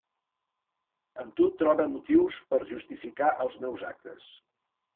En tu trobe motius per justificar els meus actes.